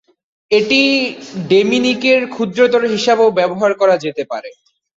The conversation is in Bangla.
এটি ডোমিনিকের ক্ষুদ্রতর হিসাবেও ব্যবহার করা যেতে পারে।